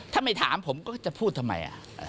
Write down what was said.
ถ้าไม่ถามผมก็จะพูดทำไม